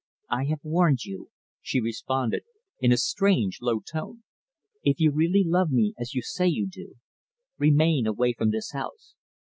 "I have warned you," she responded, in a strange low tone. "If you really love me as you say you do, remain away from this house."